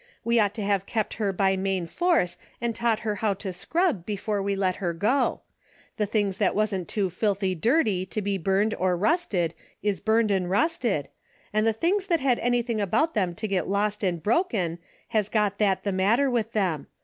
We ought to have kept her by main force and taught her how to scrub, before we let her go. The things that Avasn't too filthy dirty to be burned or rusted is burned and rusted, and the things that had anything about them to get lost and broken has got that the matter with them.